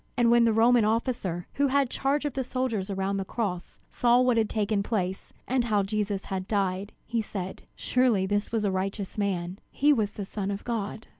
And when the Roman officer, who had charge of the soldiers around the cross, saw what had taken place, and how Jesus died, he said: "Surely this was a righteous man; he was the Son of God."